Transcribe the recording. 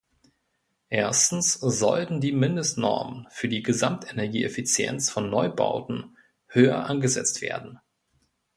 Erstens sollten die Mindestnormen für die Gesamtenergieeffizienz von Neubauten höher angesetzt werden.